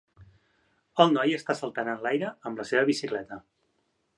El noi està saltant en l'aire amb la seva bicicleta.